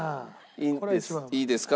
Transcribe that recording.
いいですか？